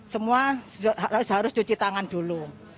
semua harus cuci tangan dulu